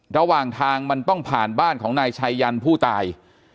ระหว่างทางมันต้องผ่านบ้านของนายชัยยันผู้ตาย